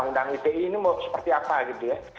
uu ite ini seperti apa gitu ya